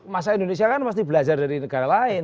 masa indonesia kan pasti belajar dari negara lain